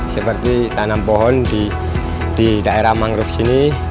seperti tanam pohon di daerah mangrove sini